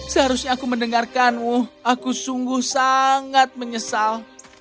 seharusnya aku mendengarkanmu aku sungguh sangat menyesal